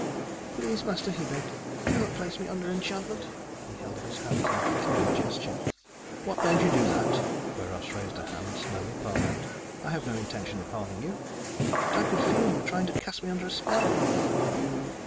"Please, Master," he begged. "Do not place me under enchantment." He held up his hands in a peculiar gesture. "What made you do that?" Kweiros raised a hand slowly, palm out. "I have no intention of harming you." "But I could feel you, trying to cast me under a spell." "You